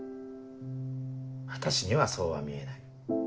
私にはそうは見えない。